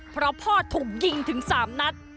เพราะพ่อถูกยิงถึง๓นัด